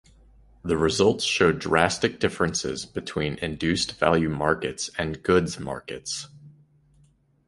The results showed drastic differences between induced-value markets and goods markets.